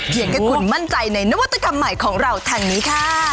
ให้คุณมั่นใจในนวัตกรรมใหม่ของเราทางนี้ค่ะ